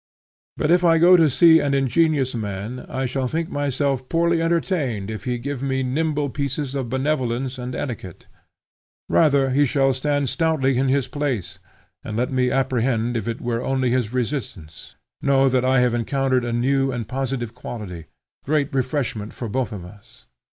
But if I go to see an ingenious man I shall think myself poorly entertained if he give me nimble pieces of benevolence and etiquette; rather he shall stand stoutly in his place and let me apprehend if it were only his resistance; know that I have encountered a new and positive quality; great refreshment for both of us.